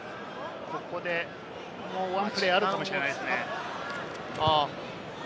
ここでワンプレーあるかもしれないですね。